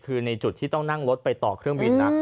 คือในจุดที่ต้องนั่งรถไปต่อเครื่องบินนะ